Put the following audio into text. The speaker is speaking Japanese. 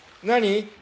何？